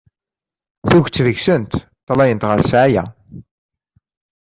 Tuget deg-sent ṭṭalayent ɣer ssɛaya.